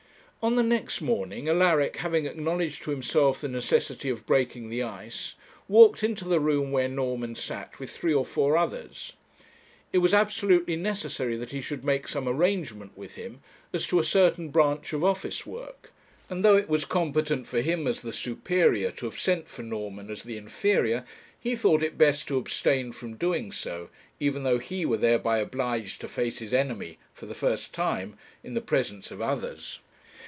On the next morning, Alaric, having acknowledged to himself the necessity of breaking the ice, walked into the room where Norman sat with three or four others. It was absolutely necessary that he should make some arrangement with him as to a certain branch of office work; and though it was competent for him, as the superior, to have sent for Norman as the inferior, he thought it best to abstain from doing so, even though he were thereby obliged to face his enemy, for the first time, in the presence of others.